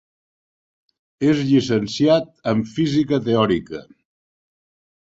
És llicenciat en Física teòrica.